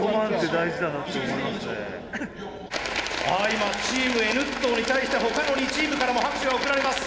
今チームＮットーに対して他の２チームからも拍手が送られます。